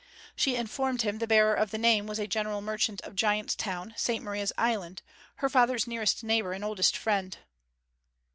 She informed him the bearer of the name was a general merchant of Giant's Town, St Maria's Island her father's nearest neighbour and oldest friend.